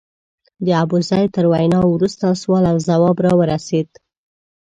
د ابوزید تر وینا وروسته سوال او ځواب وار راورسېد.